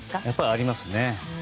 やっぱりありますね。